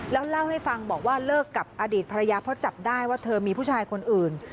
แล้วเล่าให้ฟังบอกว่าเลิกกับอดีตภรรยาเพราะจับได้ว่าเธอมีผู้ชายคนอื่น